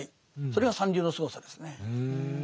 それが三流のすごさですね。